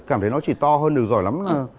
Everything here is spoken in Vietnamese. cảm thấy nó chỉ to hơn được giỏi lắm